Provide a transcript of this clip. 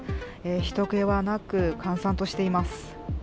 ひとけはなく閑散としています。